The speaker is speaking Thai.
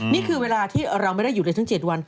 นี่คือเวลาที่เราไม่ได้อยู่เลยทั้ง๗วัน